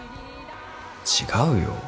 違うよ。